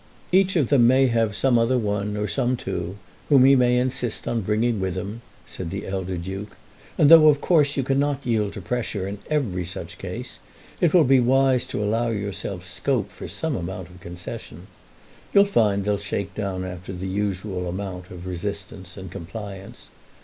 "Each one of them may have some other one or some two whom he may insist on bringing with him," said the elder Duke; "and though of course you cannot yield to the pressure in every such case, it will be wise to allow yourself scope for some amount of concession. You'll find they'll shake down after the usual amount of resistance and compliance.